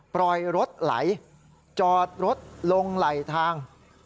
ปล่อยรถไหลจอดรถลงไหลทาง